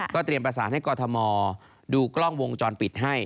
เตรียมประสานให้กรทมดูกล้องวงจรปิดให้